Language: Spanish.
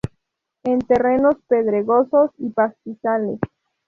En terrenos pedregosos y pastizales.